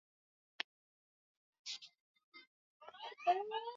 Mnamo mwezi Januari mwaka elfu mili na ishirini